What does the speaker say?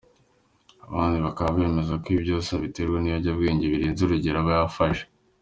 Abandi bo bakaba bemeza ko ibi byose abiterwa n’ibiyobyabwenge birenze urugero aba yafashe.